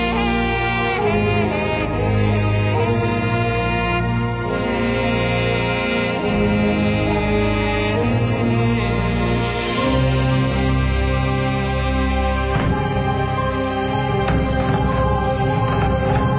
ชาวไทยเชื่อวันชาว